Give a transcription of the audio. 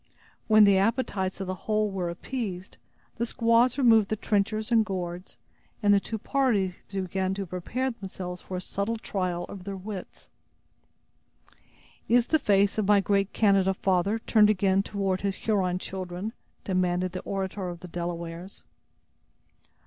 When the appetites of the whole were appeased, the squaws removed the trenchers and gourds, and the two parties began to prepare themselves for a subtle trial of their wits. "Is the face of my great Canada father turned again toward his Huron children?" demanded the orator of the Delawares.